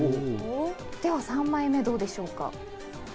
では３枚目、どうでしょうか？